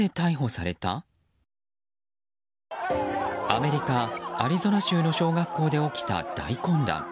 アメリカ・アリゾナ州の小学校で起きた大混乱。